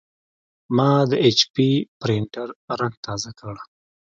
ما د ایچ پي پرنټر رنګ تازه کړ.